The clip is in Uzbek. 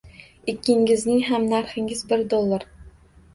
Ikkingizning ham narxingiz bir dollar